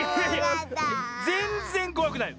ぜんぜんこわくない！